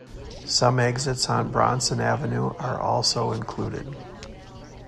Some exits on Bronson Avenue are also included.